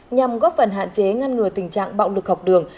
nhằm góp phần hạn chế ngăn ngừa tình trạng bạo lực học đường